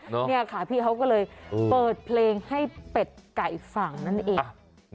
นี่ค่ะพี่เขาก็เลยเปิดเพลงให้เป็ดไก่ฟังนั่นเอง